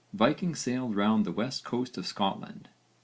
Vikings sailed round the west coast of Scotland.